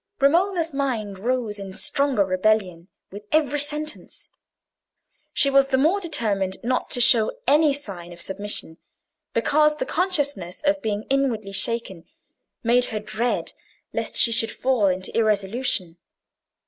Romola's mind rose in stronger rebellion with every sentence. She was the more determined not to show any sign of submission, because the consciousness of being inwardly shaken made her dread lest she should fall into irresolution.